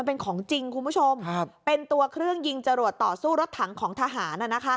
เป็นของจริงคุณผู้ชมเป็นตัวเครื่องยิงจรวดต่อสู้รถถังของทหาร